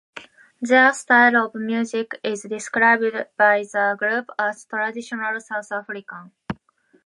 Their style of music is described by the group as traditional South African.